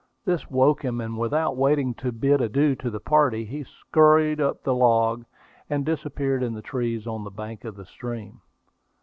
This woke him, and without waiting to bid adieu to the party, he scurried up the log, and disappeared in the trees on the bank of the stream.